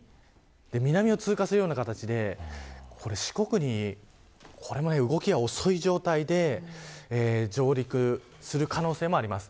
南を通過するような形で動きが遅い状態で四国に上陸する可能性があります。